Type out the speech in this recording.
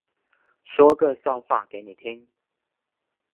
说个笑话给你听